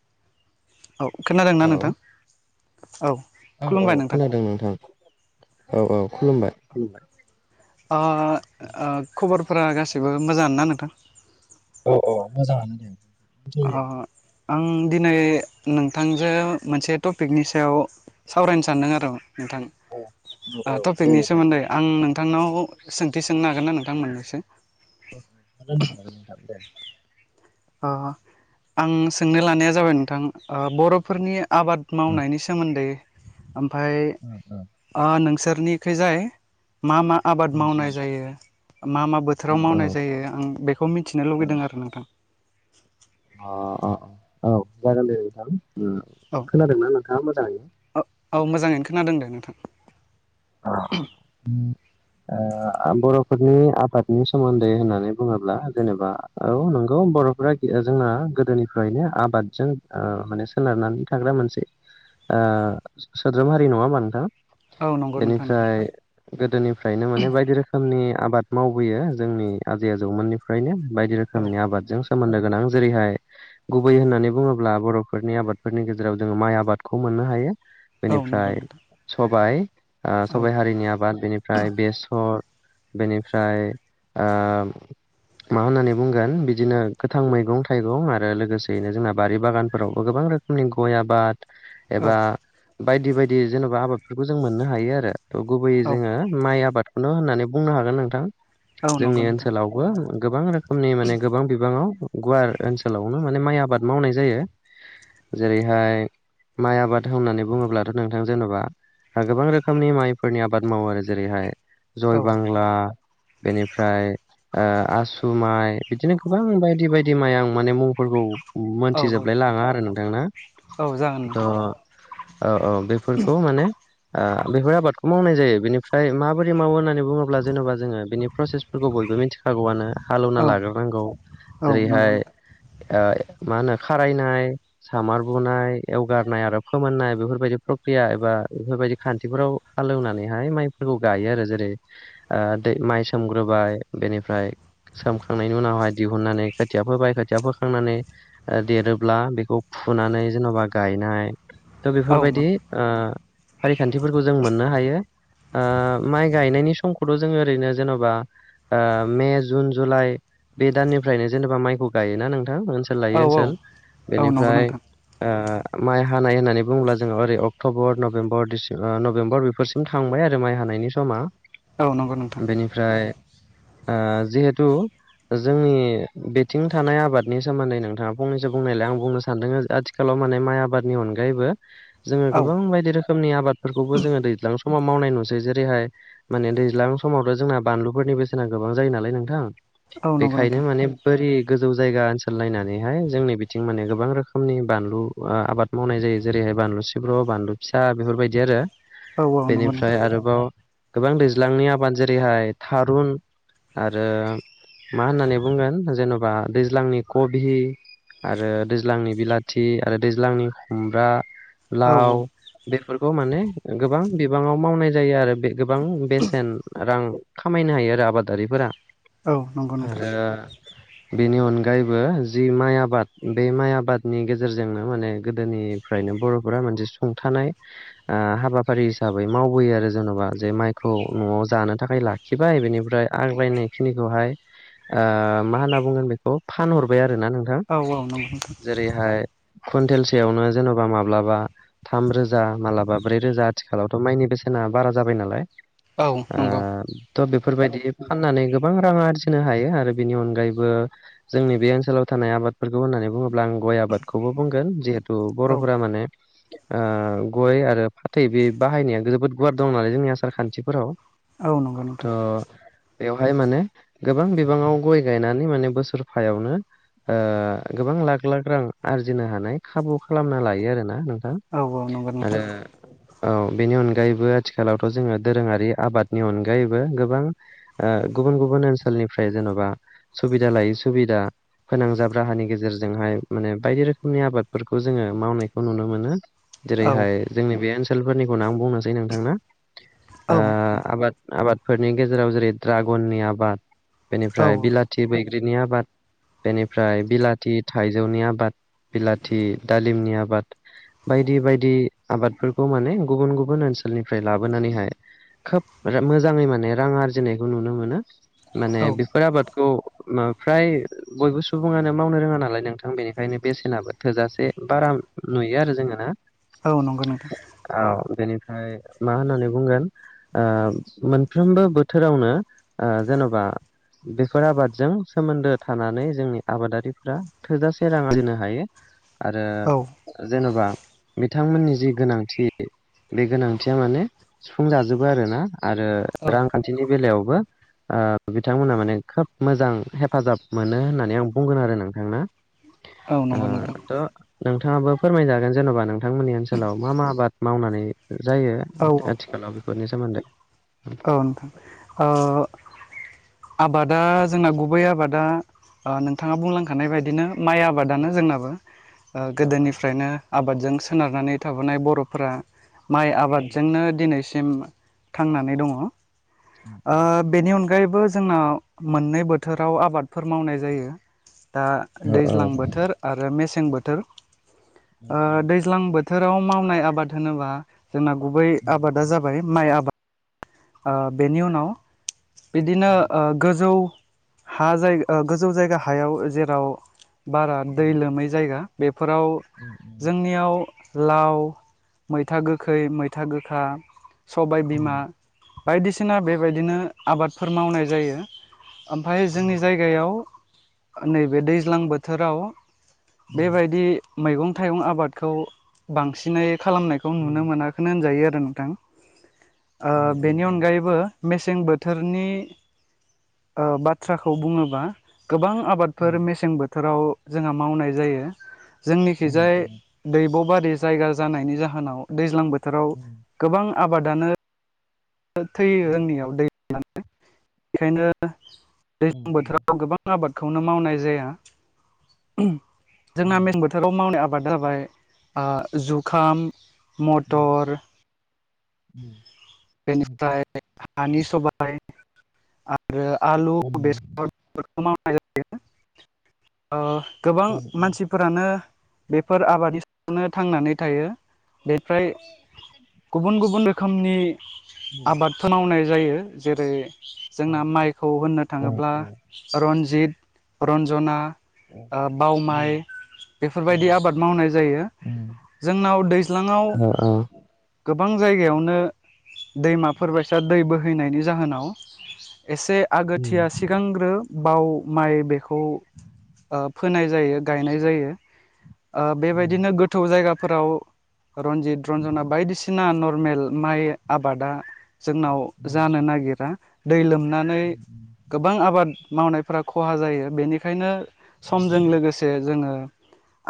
[inaudible] औ खोनादोंना हेलौ नोंथां औ औ औ खुलुमबाय नोंथां खोनादों औ - औ खुलुमबाय खुलुमबाय आ ओ खबरफोरा गासिबो मोजाङानोना नोंथां? औ औ मोजाङानो दे अ आं दिनै नोंथांजो मोनसे टपिकनि सायाव सावरायनो सानदों आरो नोंथां औ औ ओ दे टपिकनि नोंथां सोमोन्दै आं नों थांनाव सोंथि सोंनो हागोन ना नोंथां मोननैसो [unintelligible] ओ आं सोंनो लानाया जाबाय नोंथां ओ बर'फोरनि आबाद मावनायनि सोमोन्दै ओमफाय औ औ नोंसोरनिखैजाय मा मा आबाद मावनाय जायो? मा मा बोथोराव औ मावनाय जायो आं बेखौ मिथिनो लुगैदों आरो नोंथां अ अ अ औ जागोनदे नोंथां ओ औ खोनादोंना नोंथाङा मोजाङै? औ मोजाङैनो खोनादों दे नोंथां ओ बर' फोरनि आबादनि सोमोन्दै होननानै बुङोब्ला जेनेबा औ नंगौ बर'फोरा जोंना गोदोनिफ्रायनो आबादजों ओ माने सोनारनानै थाग्रा मोनसे ओ सोद्रोम हारि नङा होमबा नोंथां औ नंगौ नोंथां नंगौ बेनिफ्राय गोदोनिफ्रायनो माने बायदि रोखोमनि आबाद मावबोयो जोंनि आजै आजौमोननिफ्रायनो बायदि औ रोखोमनि आबादजों सोमोन्दो गोनां जेरैहाय गुबै होननानै बुङोब्ला बर'फोरनि आबादफोरनि गेजेराव जोङो माइ आबादखौ मोननो हायो औ नंगौ बेनिफ्राय नोंथां सबाइ ओ औ सबाइ हारिनि आबाद बेनिफ्राय बेसर बेनिफ्राय ओ मा होननानै बुंगोन बिदिनो गोथां मैगं-थाइगं आरो लोगोसेयैनो जोंना बारि बागानफोरावबो गोबां रोखोमनि गय आबाद औ एबा बायदि बायदि जेनबा आबादफोरखौ जों मोननो हायो आरो गुबैयै जोङो माइ आबादखौनो होननानै बुंनो हागोन नोंथां औ नंगौ जोंनि नोंथां ओनसोलावबो गोबां रोखोमनि माने गोबां बिबाङाव गुवार ओनसोलावनो माने माइ आबाद मावनाय जायो जेरैहाय माइ आबाद होननानै बुङोब्लाथ' नोंथां जेन'बा गोबां रोखोमनि माइफोरनि आबाद मावो आरो जेरैहाय जय औ बांला बेनिफ्राय ओ आसु माइ बिदिनो गोबां बायदि बायदि माइ आं माने मुंफोरखौ औ मोनथिजोबलाय लाङा आरो नोंथां ना औ जागोन त' नोंथां औ औ बेफोरखौ माने ओ बेफोर आबादखौ मावनाय जायो बेनिफ्राय माबोरै मावो होननानै बुङोब्ला जेन'बा जोङो बिनि प्रसेसफोरखौ बयबो मिथिखागौआनो हालौना औ लाग्रोनांगौ औ नंगौ जेरैहाय नोंथां ओ मा होनो खारायनाय सामार बुनाय एवगारनाय आरो फोमोननाय बेफोरबायदि प्र एबा बेफोरबायदि खानथिफोराव हालेवनानैहाय माइफोरखौ गायो आरो जेरै ओ दै माइ सोमग्रोबाय बेनिफ्राय सोमखांनायनि उनावहाय दिहुननानै खोथिया फोबाय खोथिया फोखांनानै देरोब्ला बेखौ फुनानै जेन'बा गायनाय थ' औ औ बेफोरबायदि ओ फारिखान्थिफोरखौ जों मोननो हायो। ओ माइ गायनायनि समखौथ' जोङो ओरैनो जेन'बा ओ मे, जुन, जुलाइ बे दाननिफ्रायनो जेनेबा माइखौ गायोना नों थां ओनसोल औ लायो ओनसोल औ नंगौ बेनिफ्राय नोंथां ओ माइ हानाय होननानै बुङोब्ला जोङो ओरै अक्ट'बर नभेम्बर दिसि ओ नभेम्बर बेफोरसिम थांबाय आरो माइ हानायनि समा औ नंगौ नोंथां बेनिफ्राय आ जिहेतु जोंनि बिथिं थानाय आबादनि सोमोन्दै नोंथाङा फंनैसो बुंनायलाय आं बुंनो सानदों आथिखालाव माने माइ आबादनि अनगायैबो जोङो औ गोबां बायदि रोखोमनि आबादफोरखौबो जोङो दैज्लां समाव मावनाय नुसै जेरैहाय माने दैज्लां समावथ' जोंना बानलुफोरनि बेसेना गोबां जायो नालाय नोंथां औ नंगौ बेखायनो नोंथां माने बोरि गोजौ जायगा ओनसोल नायनानैहाय जोंनि बिथिं माने गोबां रोखोमनि बानलु आ आबाद मावनाय जायो जेरै बानलु सिब्र बानलु फिसा बेफोरबायदि आरो औ औ नंगौ नोंथां बेनिफ्राय आरोबाव गोबां दैज्लांनि आबाद जेरैहाय थारुन आरो मा होननानै बुंगोन जेन'बा दैज्लांनि कभि आरो दैज्लांनि बिलाथि आरो दैज्लांनि खुमब्रा औ लाव खौ माने गोबां बिबाङाव मावनाय जायो आरो बे गोबां बेसेन रां खामायनो हायो आरो आबादारिफोरा। औ नंगौ नोंथां। आरो बेनि अनगायैबो जि माइ आबाद बे माइ आबादनि गेजेरजोंनो माने गोदोनिफ्राय नो बर'फोरा मोनसे सुंथानाय ओ हाबाफारि हिसाबै मावबोयो आरो जेन'बा जे माइखौ न'आव जानो थाखाय लाखिबाय बेनिफ्राय आग्लायनायखिनिखौहाय ओ मा होनना बुंगोन बेखौ फानहरबाय आरो आरोना नोंथां औ औ नंगौ नोंथां जेरैहाय कुइनटेलसेयावनो जेन'बा माब्लाबा थाम रो जा मालाबा ब्रै रोजा आथिखालावथ' माइनि बेसेना बारा जाबाय नालाय। औ ओ नंगौ। थ' बेफोरबायदि फाननानै गोबां रां आरजिनो हायो आरो बेनि अनगायैबो जोंनि बे ओनसोलाव था नाय आबादफोरखौ होननानै बुङो ब्ला आं गय आबादखौबो बुंगोन जिहेथु औ बर'फोरा माने ओ गय आरो फाथै बे बाहायनाया जोबोद गुवार दं नालाय जोंनि आसार खान्थिफोराव। औ नंगौ नोंथां। थ' बेवहाय माने गोबां बिबाङाव गय गायनानै माने बोसोरफायावनो ओ गोबां लाख लाख रां आरजिनो हानाय खाबु खालामना लायो आरोना नों औ औ नंगौ नोंथां। औ बेनि अनगायैबो आथिखालावथ' जोङो दोरोङारि आबादनि अनगायैबो गोबां ओ गुबुन गुबुन ओनसोलनिफ्राय जेन'बा सुबिदा लायै सुबिदा फोनांजाब राहानि गेजेरजोंहाय माने बायदि रोखोमनि आबादफोरखौ जोङो मावनायखौ नुनो मोनो औ जेरैहाय जोंनि बे ओनसोलफोरनिखौनो आं बुंनोसै नोंथांनो ओ औ आबाद आबादफोरनि गेजेराव जेरै ड्रागननि आबाद औ बेनिफ्राय बिलाथि बैग्रिनि आबाद बेनिफ्राय बिलाथि थाइजौनि आबाद बिलाथि दालिमनि आबाद बाय दि बायदि आबादफोरखौ माने गुबुन गुबुन ओनसोलनिफ्राय लाबोनानैहाय खोब मोजाङै माने रां आरजिनायखौ नुनो मोनो माने औ बेफोर आबादखौ फ्राय बयबो सुबुङानो मावनो रोङा नालाय नोंथां बेनिखायनो बेसेनाबो थोजासे बारा नुयो आरो जोङो ना। औ नंगौ नोंथां। औ बेनिफ्राय मा होननानै बुंगोन ओ मोनफ्रोमबो बोथोरावनो ओ जेन'बा बेफोर आबादजों सोमोन्दो थानानै जोंनि आबादारिफ्रा थोजासे रां आरजिनो हायो आरो औ जेन'बा बिथांमोननि जि गोनांथि बे गोनांथिया माने सुफुं जाजोबो आरोना आरो औ रांखान्थिनि बेलायावबो ओ बिथांमोनहा माने खोब मोजां हेफाजाब मोनो होननानै आं बुंगोन आरो नोंथां ना औ ओ नंगौ नोंथां थ' नोंथाङाबो फोरमायजागोन जेन'बा नोंथांमोननि ओनसोलाव मा मा आबाद मावनानै जायो आथिखालाव बेफोरनि सोमोनदै औ औ औ आबादा जोंना गुबै आबादा नोंथाङा बुंलांखानाय बायदिनो माइ आबादानो जोंनाबो ओ औ गोदोनिफ्रायनो आबादजों सोनारनानै थाबोनाय बर'फोरा माइ आबादजोंनो दिनैसिम थांनानै दङ ओ बेनि अनगायै गायैबो जोंना मोननै बोथोराव आबादफोर मावनाय जायो दा दैज्लां बोथोर आरो मेसें बोथोर ओ दैज्लां बोथोर बोथोराव मावनाय आबाद होनोबा जोंना गुबै आबादा जाबाय माइ आबाद आ बेनि उनाव बिदिनो गोजौ हा जायगा गोजौ जायगा हायाव जेराव बारा दै लोमै जायगा फोराव जोंनियाव लाव मैथा गोखै मैथा गोखा सबाय बिमा बायदिसिना बेबायदिनो आबादफोर मावनाय जायो ओमफ्राय जोंनि जायगायाव नैबे दैज्लां बोथोराव बेबायदि मैगं थाइगं आबादखौ बांसिनै खालामनायखौ नुनो मोनाखैनो होनजायो आरो ओ नोंथां औ नि औ अनगायैबो मेसें बोथोरनि ओ बाथ्राखौ बुङोबा गोबां आबादफोर मेसें बोथोराव जोंहा मावनाय जायो जोंनिखिजाय दैब'बारि जायगा जानायनि जाहोनाव दैज्लां बोथोराव गोबां आबादानो थैयो [unintelligible] रोंनियाव दै [unintelligible] बेखायनो दैज्लां बोथोराव गोबां आबादखौनो मावनाय जाया जोंना मेसें बोथोराव मावनाय आबादा जाबाय जुखाम मटर उम बेनिफ्राय हानि सबाय आरो आलु बेसर बेफोरखौ मावनाय जायो गोबां मानसिफोरानो बेफोर आबादनि सायावनो थांनानै थायो बेफ्राय गुबुन गुबुन रोखोमनि आबादफोराव होननाय जायो जेरै जोंना माइखौ होननो थाङोब्ला रनजित रनज'ना बाव माइ बेफोरबायदि आबाद मावनाय जायो जोंनाव दैज्लाङाव औ गोबां जायगायावनो दैमाफोर बायसा दै बोहैनायनि जाहोनाव एसे आगोथिया सिगांग्रो बाव माइ बेखौ ओ फोनाय जायो गायनाय जायो ओ बेबायदिनो गोथौ जायगा फोराव रनजित रनज'ना बायदिसिना नरमेल माइ आबादा जोंनाव जानो नागिरा दै लोमनानै गोबां आबाद मावनायफोरा ख'हा जायो बेनिखायनो समजों लोगोसे जोङो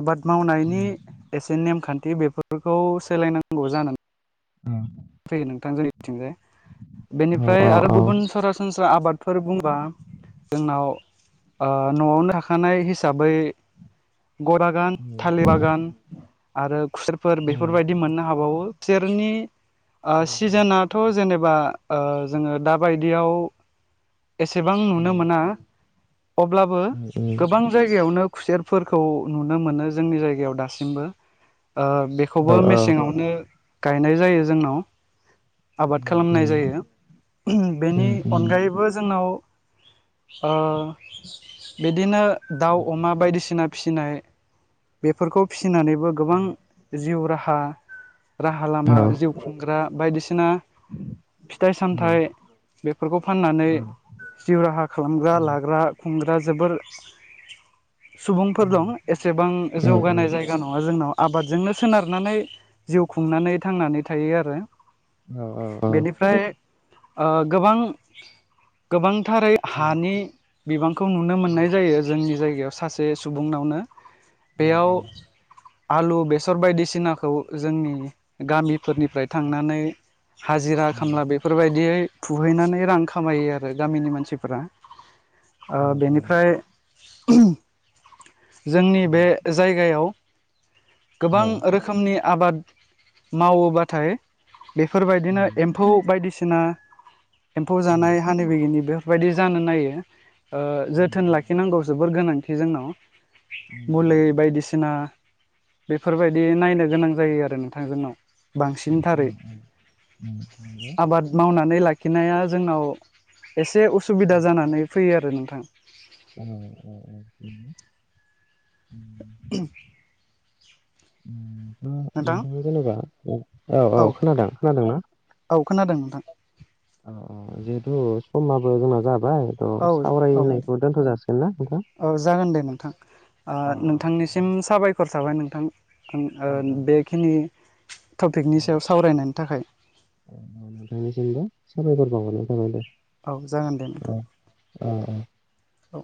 आबाद मावनायनि एसे नेमखानथि बेफोरखौ सोलायनांगौ जानानै ओम। फैयो नोंथां जोंनि बिथिंजाय औ बेनिफ्राय औ आरो औ गुबुन सरासनस्रा आबादफोर बुंबा जोंनाव। ओ न'आवनो थाखानाय हिसाबै। गय बागान थालिर बागान आरो खुसेरफोर बेफोरबायदि मोननो हाबावो। सेरनि सिजोनथ' जेनेबा। नेबा ओ जोङो दा बायदियाव एसेबां नुनो मोना अब्लाबो गोबां जायगायावनो। खुसेरफोरखौ नुनो मोनो जोंनि जायगायाव दासिमबो बेखौबो मेसेङावनो गायनाय जायो जोंनाव आबाद खालामनाय जायो बेनि अनगायैबो जोंनाव बिदिनो दाउ अमा बायदिसिना फिसिनाय बेफोरखौ फिसिनानैबो गोबां जिउ राहा राहा लामा जिउ। खुंग्रा बायदिसिना फिथाय-सामथायफोरखौ फाननानै जिउ राहा खालामग्रा लाग्रा खुंग्रा जोबोर सुबुंफोर दं एसेबां जौगानाय जायगा नङा जोंनाव आबादजोंनो सोनारनानै जिउ खुंनानै थांनानै थायो आरो। औ औ औ। बेनिफ्राय गोबां गोबांथारै हानि बिबां खौ नुनो मोननाय जायो जोंनि जायगायाव सासे सुबुंनावनो बेयाव आलु बेसर बायदिसिनाखौ जोंनि गामिफोरनिफ्राय थांनानै। हाजिरा खामला बेफोरबायदियै फुहैनानै रां खामायो आरो गामिनि मानसिफोरा बेनिफ्राय जोंनि बे जायगायाव गोबां रोखोमनि आबाद मावोब्लाथाय। बेफोरबायदिनो एम्फौ बायदिसिना एम्फौ जानाय हानि बिगिनि बे बेफोरबायदि जानो नायो जोथोन लाखिनांगौ जोबोर गोनांथि जोंनाव। मुलि बायदिसिना बेफोरबायदि नायनो गोनां जायो आरो नोंथां जोंनाव। बांसिनथारै आबाद मावनानै लाखि। खिनाया जोंनाव एसे उसुबिदा जानानै फैयो आरो नोंथां। औ औ औ। [inaudible] नोंथां नोंथाङा जेनेबा औ औ खोनादों खोनादों ना? औ खोनादों नोंथां। अ अ जिहेथु समाबो जोंना जाबाय। औ औ सावरायनायखौ दोनथ' जासिगोन ना नोंथां। औ जागोन दे नोंथां नोंथांनिसिम साबायखर साबाय नोंथां बेखिनि टपिकनि सायाव सावरायनायनि थाखाय औ नोंथांनिसिमबो साबायखर बावहरनाय थाबाय दे औ जागोन दे नोंथां। औ।